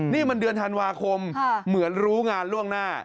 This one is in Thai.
นี่มันเดือนธันวาคมเหมือนรู้งานล่วงหน้า